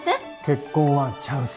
「結婚はチャンス」